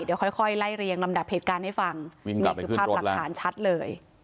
เดี๋ยวค่อยค่อยไล่เรียงลำดับเหตุการณ์ให้ฟังวิ่งกลับไปขึ้นรถแล้วนี่คือภาพหลักฐานชัดเลย